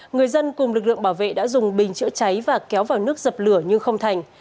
người dân cùng lực lượng bảo vệ đã dùng bình chữa cháy và kéo vào nước dập lửa nhưng không thành